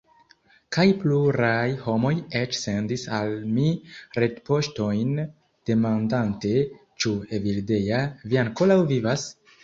Kaj pluraj homoj eĉ sendis al mi retpoŝtojn, demandante: ĉu, Evildea, vi ankoraŭ vivas?